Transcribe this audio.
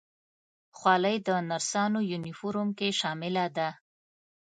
خولۍ د نرسانو یونیفورم کې شامله ده.